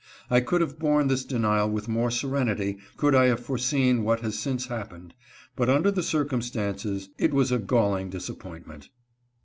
I could have borne this denial with more serenity could I have foreseen what has since happened, but under the circumstances it was a galling disappointment.